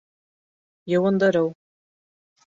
Йыуындырыу